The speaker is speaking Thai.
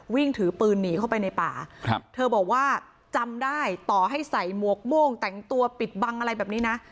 วิ่งถือปืนหนีเข้าไปในป่าครับเธอบอกว่าจำได้ต่อให้ใส่หมวกโม่งแต่งตัวปิดบังอะไรแบบนี้นะ